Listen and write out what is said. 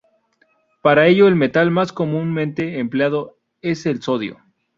Para ello el metal más comúnmente empleado es el sodio.